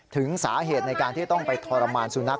ถึงสาเหตุในการที่ต้องไปทรมานสุนัข